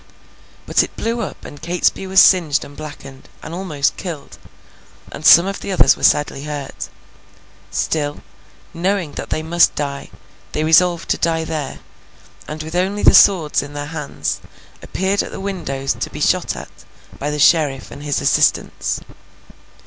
But it blew up, and Catesby was singed and blackened, and almost killed, and some of the others were sadly hurt. Still, knowing that they must die, they resolved to die there, and with only their swords in their hands appeared at the windows to be shot at by the sheriff and his assistants.